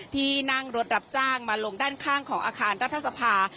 ที่นั่งรถรับจ้างมาลงด้านข้างของอาคารรัฐสภา